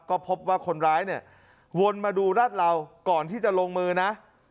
ก็พบว่าคนร้ายเนี่ยวนมาดูรัดเหลาก่อนที่จะลงมือนะ